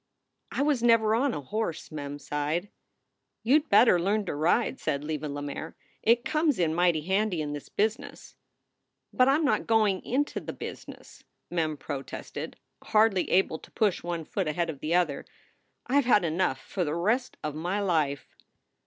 "I was never on a horse," Mem sighed. "You d better learn to ride," said Leva Lemaire. "It comes in mighty handy in this business." "But I m not going into the business!" Mem protested, hardly able to push one foot ahead of the other. "I ve had enough for the rest of my life."